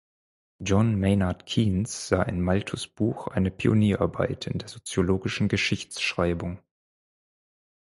John Maynard Keynes sah in Malthus‘ Buch eine Pionierarbeit „in der soziologischen Geschichtsschreibung“.